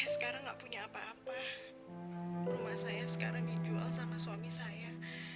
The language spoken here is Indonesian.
sedangkan dia mati bersama perempuan simpanannya